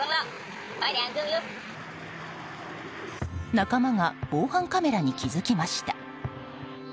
仲間が防犯カメラに気づきました。